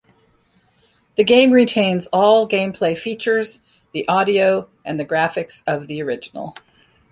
The game retains all gameplay features, the audio and the graphics of the original.